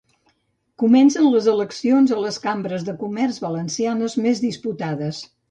Comencen les eleccions a les cambres de comerç valencianes més disputades.